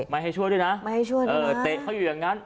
ไม่ให้ช่วยด้วยนะเออเตะเขาอยู่อย่างงั้น